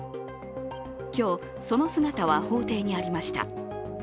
今日、その姿は法廷にありました。